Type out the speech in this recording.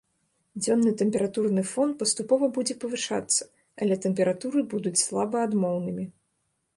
Дзённы тэмпературны фон паступова будзе павышацца, але тэмпературы будуць слаба адмоўнымі.